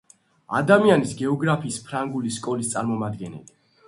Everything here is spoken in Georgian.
ადამიანის გეოგრაფიის ფრანგული სკოლის წარმომადგენელი.